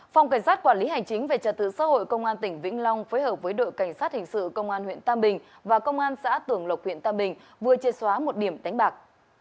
phòng cảnh sát quản lý hành chính về trật tự xã hội công an tỉnh vĩnh long phối hợp với đội cảnh sát hình sự công an huyện tam bình và công an xã tường lộc huyện tam bình vừa chia xóa một điểm đánh bạc